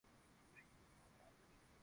moyo wake ulizikwa Chitambo nchini Zambia